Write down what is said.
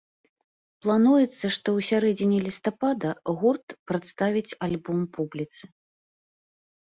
Плануецца, што ў сярэдзіне лістапада гурт прадставіць альбом публіцы.